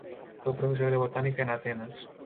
Fue Profesor de Botánica en Atenas.